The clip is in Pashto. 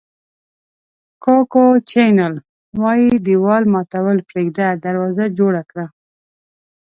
کوکو چینل وایي دېوال ماتول پرېږده دروازه جوړه کړه.